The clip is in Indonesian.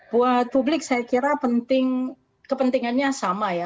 buat publik saya kira kepentingannya sama ya